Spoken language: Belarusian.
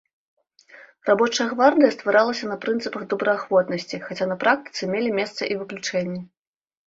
Рабочая гвардыя стваралася на прынцыпах добраахвотнасці, хаця на практыцы мелі месца і выключэнні.